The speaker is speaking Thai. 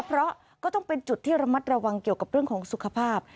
เพราะก็ต้องเป็นจุดที่ระมัดระวังเกี่ยวกับเรื่องของสุขภาพ